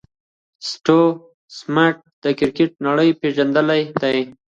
سټیو سميټ د کرکټ نړۍ پېژندلی دئ.